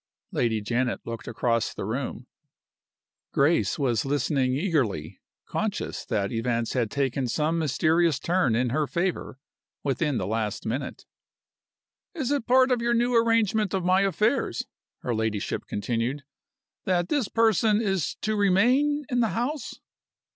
Lady Janet looked across the room. Grace was listening eagerly, conscious that events had taken some mysterious turn in her favor within the last minute. "Is it part of your new arrangement of my affairs," her ladyship continued, "that this person is to remain in the house?"